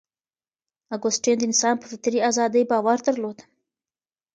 اګوستین د انسان په فطري ازادۍ باور درلود.